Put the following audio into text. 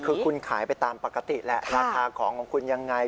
คือคุณขายไปตามปกติแหละราคาของของคุณยังไง